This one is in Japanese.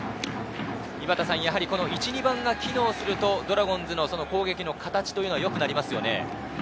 やはり１、２番が機能すると、ドラゴンズの攻撃の形というのは良くなりますよね。